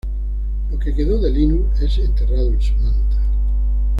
Lo que quedó de Linus es enterrado en su manta.